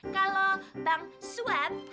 kalo bang sweat harus di rebonding biar lancar ya